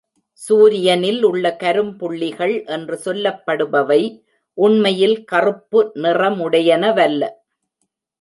சூரியனில் உள்ள கரும்புள்ளிகள் என்று சொல்லப்படுபவை, உண்மையில் கறுப்பு நிறமுடையனவல்ல.